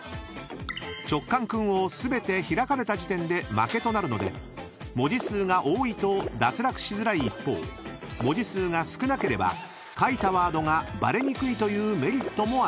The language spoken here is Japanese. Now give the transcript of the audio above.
［ちょっかんくんを全て開かれた時点で負けとなるので文字数が多いと脱落しづらい一方文字数が少なければ書いたワードがバレにくいというメリットもあります］